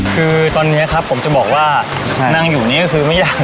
คือตอนนี้ครับผมจะบอกว่านั่งอยู่นี่ก็คือไม่อยาก